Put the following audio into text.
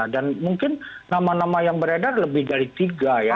dan mungkin nama nama yang beredar lebih dari tiga ya